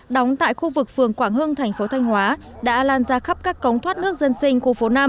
đóng tại khu vực phường quảng hưng thành phố thanh hóa đã lan ra khắp các cống thoát nước dân sinh khu phố năm